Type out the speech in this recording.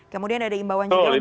kemudian ada imbauan juga untuk bisa